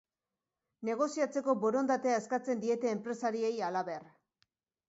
Negoziatzeko borondatea eskatzen diete enpresariei, halaber.